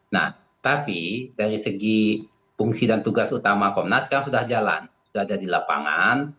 nah tapi dari segi fungsi dan tugas utama komnas sekarang sudah jalan sudah ada di lapangan